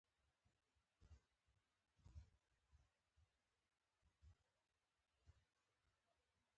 څنګه کولی شم په کریپټو پیسې وګټم